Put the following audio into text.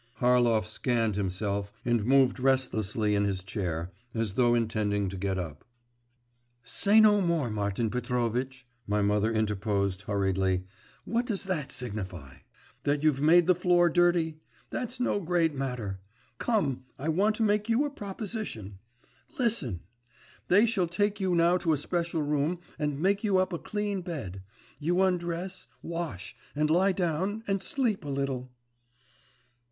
…' Harlov scanned himself and moved restlessly in his chair, as though intending to get up. 'Say no more, Martin Petrovitch,' my mother interposed hurriedly; 'what does that signify? That you've made the floor dirty? That's no great matter! Come, I want to make you a proposition. Listen! They shall take you now to a special room, and make you up a clean bed, you undress, wash, and lie down and sleep a little.